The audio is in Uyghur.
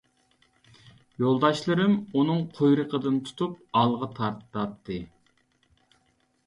يولداشلىرىم ئۇنىڭ قۇيرۇقىدىن تۇتۇپ ئالغا تارتاتتى.